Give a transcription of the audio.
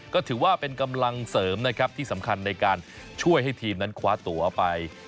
ก็ถือว่าเป็นกำลังเสริมนะครับที่สำคัญในการช่วยให้ทีมนั้นคว้าตัวไป